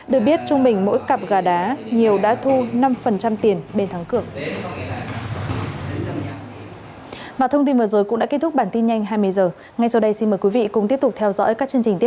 được biết trung bình mỗi cặp gà đá nhiều đã thu năm tiền bên thắng